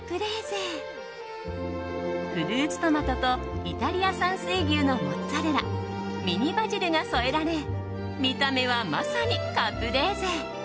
フルーツトマトとイタリア産水牛のモッツァレラミニバジルが添えられ見た目はまさにカプレーゼ。